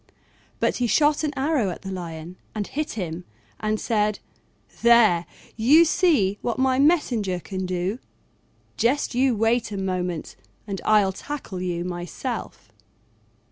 But he shot an arrow at the Lion and hit him, and said, "There, you see what my messenger can do: just you wait a moment and I'll tackle you myself."